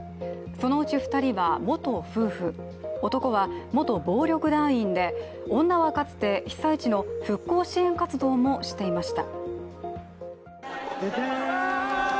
そのうち２人は元夫婦、男は元暴力団員で女はかつて被災地の復興支援活動もしていました。